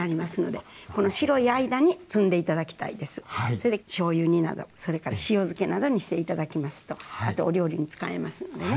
それでしょうゆ煮などそれから塩漬けなどにして頂きますとお料理に使えますのでね。